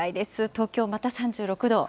東京また３６度。